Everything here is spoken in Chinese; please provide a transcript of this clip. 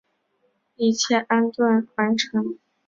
一切安顿完成